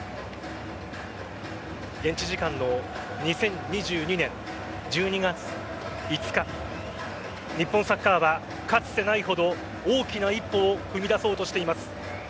現地時間の２０２２年１２月５日日本サッカーはかつてないほど大きな一歩を踏み出そうとしています。